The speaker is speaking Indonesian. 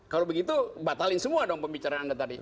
kalau begitu batalin semua dong pembicaraan anda tadi